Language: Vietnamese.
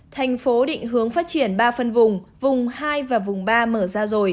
thành phố định hướng phát triển ba phân vùng vùng hai và vùng ba mở ra rồi